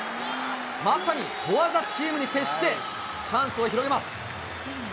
まさにフォア・ザ・チームに徹してチャンスを広げます。